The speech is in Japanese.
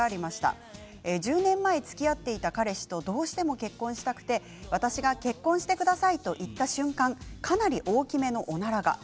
１０年前つきあっていた彼氏とどうしても結婚したくて私が結婚してくださいと言った瞬間にかなり大きめのおならが。